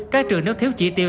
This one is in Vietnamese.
các trường nếu thiếu chỉ tiêu